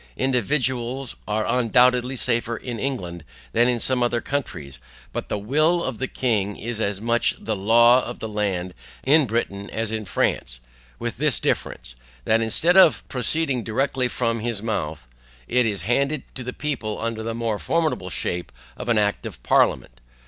Individuals are undoubtedly safer in England than in some other countries, but the WILL of the king is as much the LAW of the land in Britain as in France, with this difference, that instead of proceeding directly from his mouth, it is handed to the people under the more formidable shape of an act of parliament.